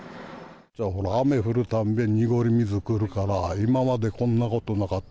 雨降るたんびに、濁り水来るから、今までこんなことなかった。